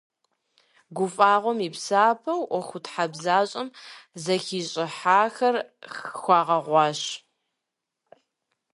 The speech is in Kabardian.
ГуфӀэгъуэм и псапэу, ӀуэхутхьэбзащӀэм зэхищӀыхьахэр хуагъэгъуащ.